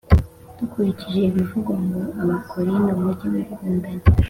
Dukurikije ibivugwa mu Abakorinto mujye mukundana